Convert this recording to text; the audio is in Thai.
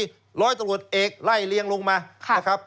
เบาะร้อยตำรวจเอกไล่เลี้ยงลงมา